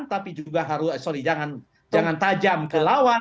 tapi juga harus eh maaf jangan tajam ke lawan